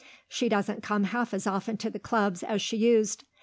She doesn't come half as often to the clubs as she used.